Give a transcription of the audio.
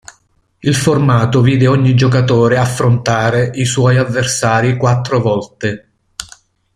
Il formato vide ogni giocatore affrontare i suoi avversari quattro volte.